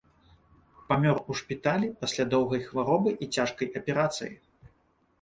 Памёр у шпіталі пасля доўгай хваробы і цяжкай аперацыі.